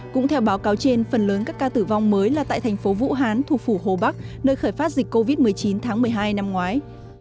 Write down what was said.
cũng theo báo cáo trên phần lớn các ca tử vong mới là tại thành phố vũ hán thủ phủ hồ bắc nơi khởi phát dịch covid một mươi chín tháng một mươi hai năm ngoái